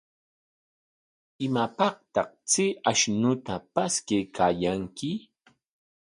¿Imapaqtaq chay ashnuta paskaykaayanki?